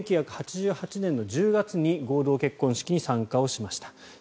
１９８８年の１０月に合同結婚式に参加をしました。